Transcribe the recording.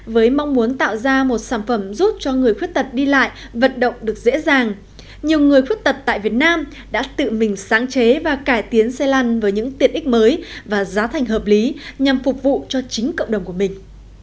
với mong muốn tạo ra một sản phẩm giúp cho người khuyết tật đi lại vận động được dễ dàng nhiều người khuyết tật tại việt nam đã tự mình sáng chế và cải tiến xe lăn với những tiện ích mới và giá thành hợp lý nhằm phục vụ cho chính cộng đồng của mình